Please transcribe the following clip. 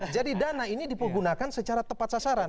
jadi dana ini dipergunakan secara tepat sasaran